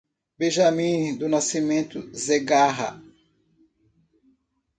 Benjamin do Nascimento Zegarra